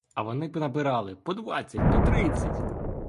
А вони понабирали по двадцять, по тридцять!